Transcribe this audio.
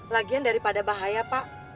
lagian daripada bahaya pak